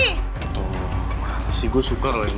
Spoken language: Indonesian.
tuh masih gue suka lo yang gak